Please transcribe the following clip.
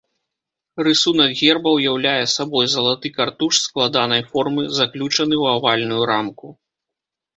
Рысунак герба ўяўляе сабой залаты картуш складанай формы, заключаны ў авальную рамку.